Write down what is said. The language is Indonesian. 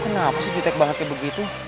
kamu kenapa sih jutek banget kayak begitu